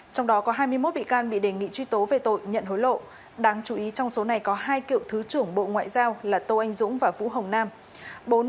trong đó có hai mươi một bị can bị đề nghị truy tố về tội nhận hối lộ đáng chú ý trong số này có hai cựu thứ trưởng bộ ngoại giao là tô anh dũng và vũ hồng nam